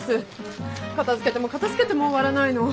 片づけても片づけても終わらないの。